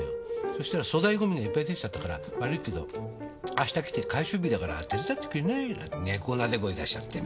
「そしたら粗大ゴミがいっぱい出ちゃったから悪いけど明日来て回収日だから手伝ってくれない？」なんて猫なで声出しちゃって。